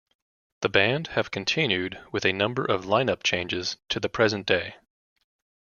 The band have continued, with a number of lineup changes, to the present day.